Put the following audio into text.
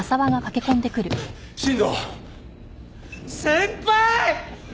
先輩！